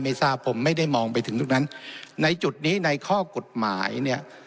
ทราบผมไม่ได้มองไปถึงตรงนั้นในจุดนี้ในข้อกฎหมายเนี่ย